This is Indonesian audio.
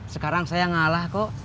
sekarang saya ngalah kok